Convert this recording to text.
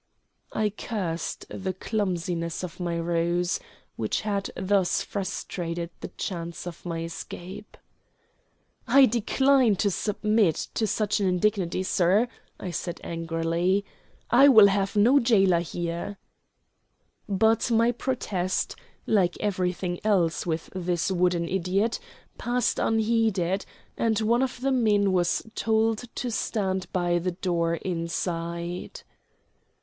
I cursed the clumsiness of my ruse, which had thus frustrated the chance of my escape. "I decline to submit to such an indignity, sir," I said angrily. "I will have no jailer here." But my protest, like everything else with this wooden idiot, passed unheeded, and one of the men was told to stand by the door inside.